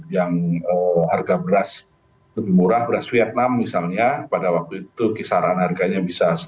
yang harga beras lebih murah beras vietnam misalnya pada waktu itu kisaran harganya bisa